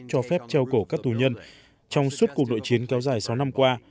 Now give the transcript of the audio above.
cho phép treo cổ các tù nhân trong suốt cuộc nội chiến kéo dài sáu năm qua